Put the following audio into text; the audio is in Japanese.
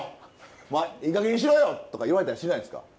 お前いいかげんにしろよ！とか言われたりしないんですか？